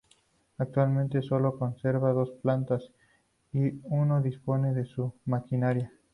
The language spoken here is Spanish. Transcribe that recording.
Actualmente sólo conserva dos plantas y no dispone de su maquinaria.